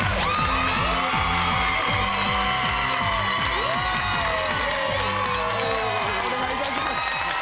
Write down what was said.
お願いいたします